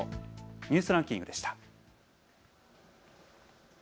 ニュースランキングでした。